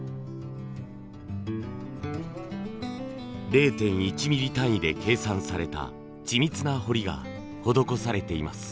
０．１ミリ単位で計算された緻密な彫りが施されています。